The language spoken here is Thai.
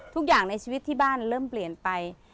ทุกอย่างในชีวิตที่บ้านเริ่มเปลี่ยนไป